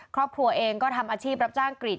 ครอบครัวเองก็ทำอาชีพรับจ้างกรีด